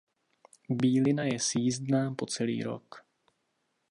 Bílina je sjízdná po celý rok.